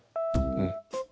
うん。